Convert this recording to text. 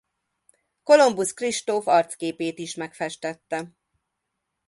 Kolumbusz Kristóf arcképét is megfestette.